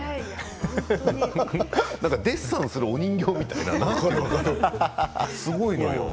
デッサンするお人形みたい。